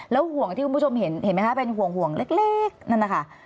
แล้วห่วงที่คุณผู้ชมเห็นเป็นห่วงเล็กนั่นนะคะ